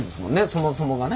そもそもがね。